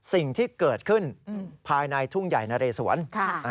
สิ่งที่เกิดขึ้นภายในทุ่งใหญ่นะเรสวน